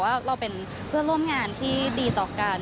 ว่าเราเป็นเพื่อนร่วมงานที่ดีต่อกัน